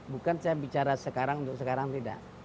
bukan saya bicara sekarang untuk sekarang tidak